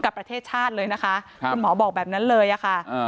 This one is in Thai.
ประเทศชาติเลยนะคะคุณหมอบอกแบบนั้นเลยอะค่ะ